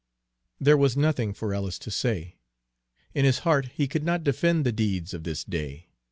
There was nothing for Ellis to say. In his heart he could not defend the deeds of this day.